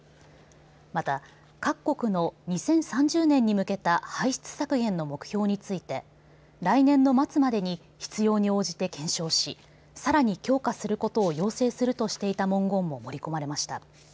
また、各国の２０３０年に向けた排出削減の目標について来年の末までに必要に応じて検証しさらに強化することを要請するとしていた文言も盛り込まれました。